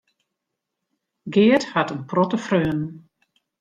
Geart hat in protte freonen.